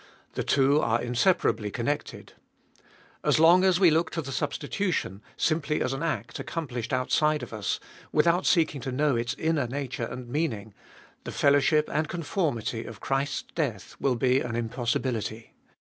The two are inseparably con nected. As long as we look to the substitution simply as an 336 abe "boltest of 21U act accomplished outside of us, without seeking to know its inner nature and meaning, the fellowship and conformity of Christ's death will be an impossibility.